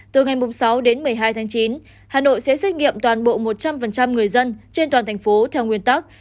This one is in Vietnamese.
từ ngày sáu đến một mươi hai tháng chín hà nội sẽ xét nghiệm toàn bộ một trăm linh người dân trên toàn thành phố theo nguyên tắc